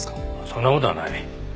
そんな事はない。